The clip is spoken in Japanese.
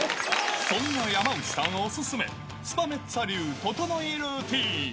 そんな山内さん、お勧め、スパメッツァ流ととのいルーティーン。